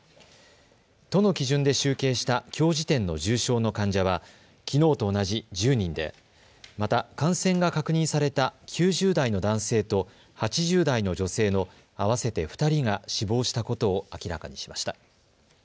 都の基準で集計したきょう時点の重症の患者はきのうと同じ１０人でまた感染が確認された９０代の男性と８０代の女性の合わせて２人が死亡したことを明らかにしました。